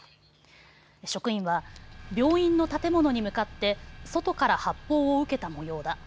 職員は病院の建物に向かって外から発砲を受けたもようだ。